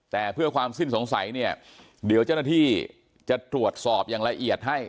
แต่เพื่อความสิ้นสงสัยเนี่ยเดี๋ยวเจ้าหน้าที่จะตรวจสอบอย่างละเอียดให้